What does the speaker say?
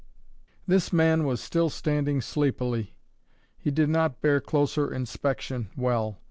This man was still standing sleepily. He did not bear closer inspection well.